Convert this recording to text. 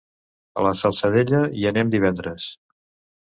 A la Salzadella hi anem divendres.